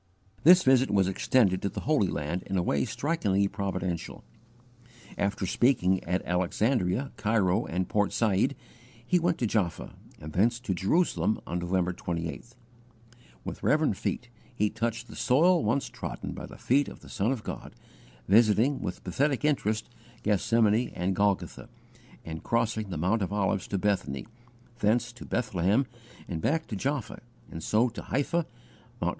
This visit was extended to the Holy Land in a way strikingly providential. After speaking at Alexandria, Cairo, and Port Said, he went to Jaffa, and thence to Jerusalem, on November 28. With reverent feet he touched the soil once trodden by the feet of the Son of God, visiting, with pathetic interest, Gethsemane and Golgotha, and crossing the Mount of Olives to Bethany, thence to Bethlehem and back to Jaffa, and so to Haipha, Mt.